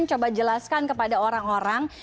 coba jelaskan kepada orang orang